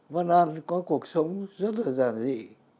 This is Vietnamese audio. vân đan có cuộc sống rất là giản dị